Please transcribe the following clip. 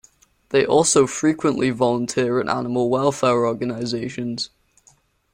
They also frequently volunteer at animal welfare organizations.